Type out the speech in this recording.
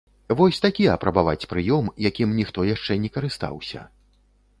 Вось такі апрабаваць прыём, якім ніхто яшчэ не карыстаўся.